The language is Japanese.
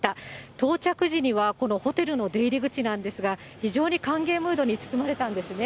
到着時にはこのホテルの出入り口なんですが、非常に歓迎ムードに包まれたんですね。